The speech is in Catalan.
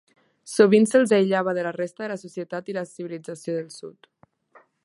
Sovint se'ls aïllava de la resta de la societat i la civilització del sud.